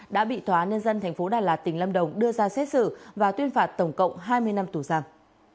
đã bị tòa nhân dân thành phố đà lạt tỉnh lâm đồng đưa ra xét xử và tuyên phạt tổng cộng hai mươi năm tù giang